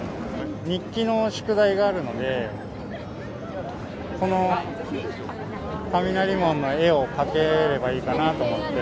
日記の宿題があるので、この雷門の絵を描ければいいかなと思って。